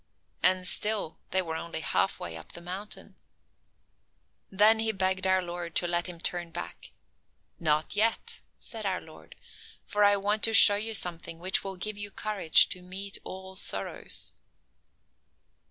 And, still, they were only half way up the mountain. Then he begged our Lord to let him turn back. "Not yet," said our Lord, "for I want to show you something which will give you courage to meet all sorrows."